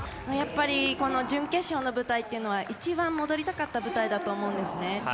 やっぱりこの準決勝の舞台っていうのは、一番戻りたかった舞台だと思うんですね。